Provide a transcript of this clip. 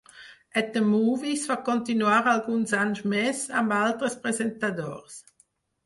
"At the Movies" va continuar alguns anys més amb altres presentadors.